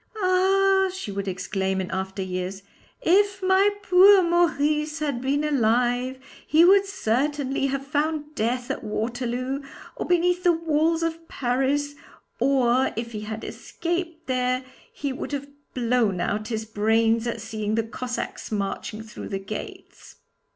'Ah!' she would exclaim in after years; 'if my poor Maurice had been alive he would certainly have found death at Waterloo or beneath the walls of Paris, or if he had escaped there, he would have blown out his brains at seeing the Cossacks marching through the gates.'